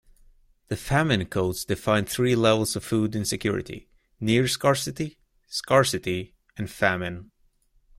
The Famine Codes defined three levels of food insecurity: near-scarcity, scarcity, and famine.